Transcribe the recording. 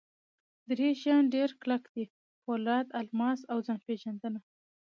درې شیان ډېر کلک دي: پولاد، الماس اوځان پېژندنه.